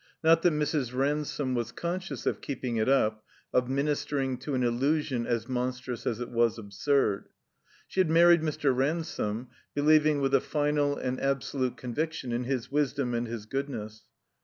Not that Mrs. Ransome was conscious of keeping it up, of ministering to an illusion as mon strous as it was absurd. She had married Mr. Ran some, believing with a final and absolute conviction in his wisdom and his goodness.